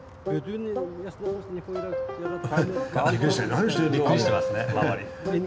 びっくりしてますね周り。